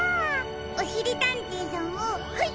おしりたんていさんもはい。